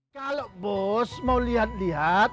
kalau bos mau lihat lihat